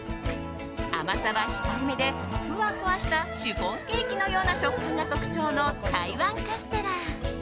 甘さは控えめで、ふわふわしたシフォンケーキのような食感が特徴の台湾カステラ。